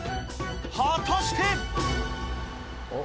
果たして。